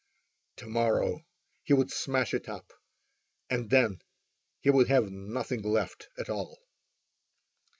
To morrow he would smash it up, and then he would have nothing left at all!